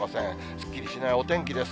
すっきりしないお天気です。